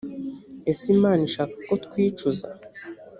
ese imana ishaka ko twicuza